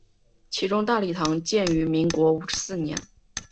其中大礼堂建于民国四十五年。